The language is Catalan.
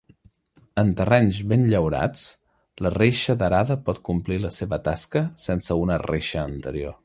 En terrenys ben llaurats, la reixa d'arada pot complir la seva tasca sense una reixa anterior.